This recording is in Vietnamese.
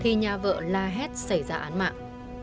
khi người đầu tiên có mặt thì nhà vợ la hét xảy ra án mạng